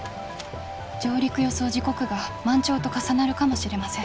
「上陸予想時刻が満潮と重なるかもしれません。